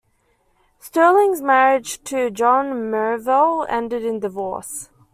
Sterling's marriage to John Merivale ended in divorce.